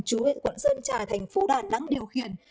chú huyện quận sơn trà thành phố đà nẵng điều khiển